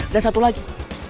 dan satu lagi